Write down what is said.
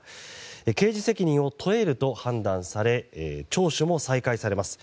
刑事責任を問えると判断され聴取も再開されます。